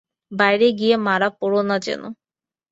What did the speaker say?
বাইরে গিয়ে মারা পড়ো না যেন।